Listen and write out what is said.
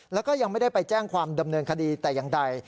แล้วก็ยังไม่ได้ไปแจ้งความดำเนินคดีแต่อย่างใด